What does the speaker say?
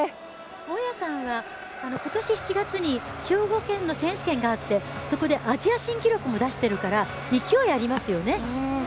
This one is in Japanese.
大矢さんは今年７月に兵庫県の選手権があってそこでアジア新記録も出しているから勢いありますよね。